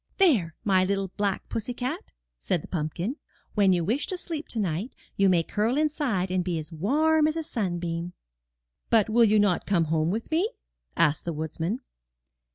*There, my little black pussy cat,'' said the pump kin, 'Vhen you wish to sleep to night, you may curl inside and be as warm as a sunbeam." '*But will you not come home with me?'' asked the woodsman.